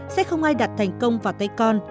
sẽ không ai đặt thành công vào tay con